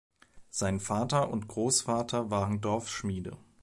Sein Vater und Großvater waren Dorfschmiede.